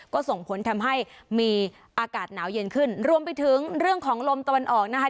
ก็ส่งผลทำให้มีอากาศหนาวเย็นขึ้นรวมไปถึงเรื่องของลมตะวันออกนะคะ